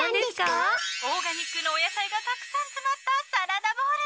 オーガニックのお野菜がたくさん詰まったサラダボウル！